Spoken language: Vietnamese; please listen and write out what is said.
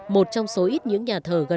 một trong số ít những nhà thờ